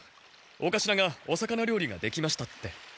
お頭がお魚料理ができましたって。